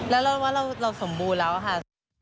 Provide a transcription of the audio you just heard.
แล้วเราว่าเราสมบูรณ์แล้วค่ะ